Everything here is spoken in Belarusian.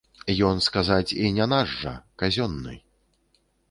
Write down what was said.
Ён, сказаць, і не наш жа, казённы.